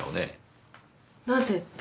なぜって？